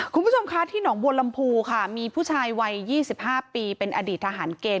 คุณผู้ชมคะที่หนองบัวลำพูค่ะมีผู้ชายวัย๒๕ปีเป็นอดีตทหารเกณฑ